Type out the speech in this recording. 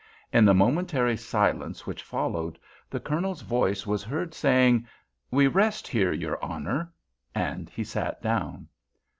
In the momentary silence which followed, the Colonel's voice was heard saying, "We rest here, your Honor," and he sat down.